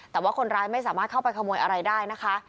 แต่ว่าคนร้ายไม่สามารถเข้าไปขโมยอะไรได้นะคะ